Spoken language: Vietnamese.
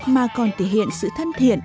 mà còn thể hiện sự thân thiện